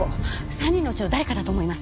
３人のうちの誰かだと思います。